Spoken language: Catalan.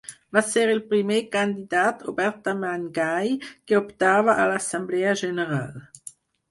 Va ser el primer candidat obertament gai que optava a l'Assemblea General.